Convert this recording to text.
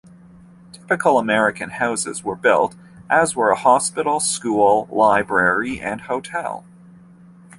Typical American houses were built, as were a hospital, school, library and hotel.